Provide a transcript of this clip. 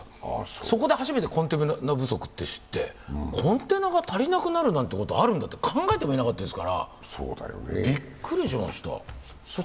そこで初めてコンテナ不足って知ってコンテナが足りなくなるなんてことあるんだと考えてもみなかったですからびっくりしました。